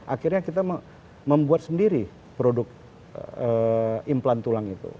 akhirnya kita membuat sendiri produk implan tulang itu